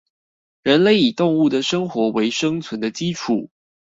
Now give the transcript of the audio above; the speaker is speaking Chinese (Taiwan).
人類以動物的生活為生存的基礎